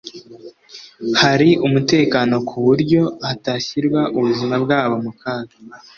hari umutekano k’uburyo hatashyira ubuzima bwabo mu kaga